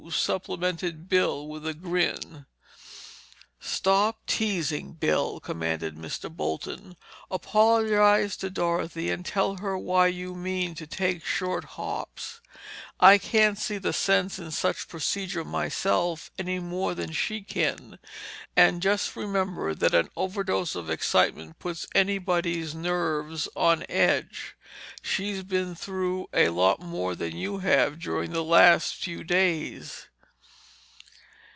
supplemented Bill with a grin. "Stop teasing, Bill!" commanded Mr. Bolton. "Apologize to Dorothy and tell her why you mean to take short hops. I can't see the sense in such procedure myself—any more than she can. And just remember that an overdose of excitement puts anybody's nerves on edge. She's been through a lot more than you have during the last few days."